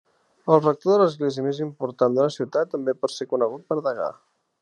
El rector de l'església més important d'una ciutat també pot ser conegut per degà.